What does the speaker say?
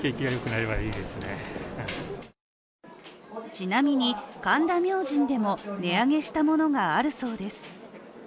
ちなみに神田明神でも値上げしたものがあるそうです。